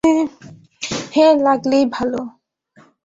হ্যাঁ, লাগলেই ভালো।